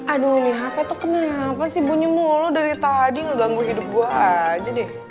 aduh nih hape tuh kenapa sih bunyumu lo dari tadi ga ganggu hidup gue aja deh